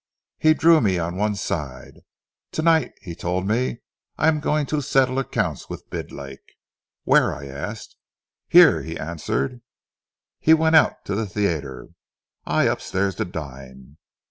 He drew me on one side. 'To night,' he told me, 'I am going to settle accounts with Bidlake.' 'Where?' I asked. 'Here,' he answered. He went out to the theatre, I upstairs to dine.